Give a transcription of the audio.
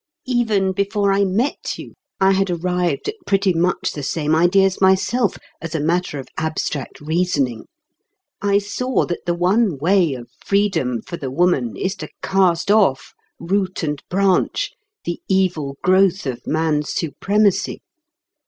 Even before I met you, I had arrived at pretty much the same ideas myself, as a matter of abstract reasoning. I saw that the one way of freedom for the woman is to cast off, root and branch, the evil growth of man's supremacy.